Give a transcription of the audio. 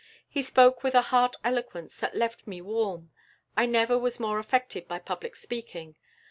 He spoke with a heart eloquence that left me warm. I never was more affected by public speaking....